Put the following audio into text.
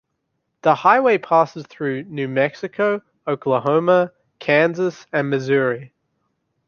The highway passes through New Mexico, Oklahoma, Kansas, and Missouri.